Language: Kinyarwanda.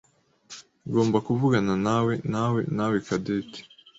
Ngomba kuvuganawe nawe nawe Cadette.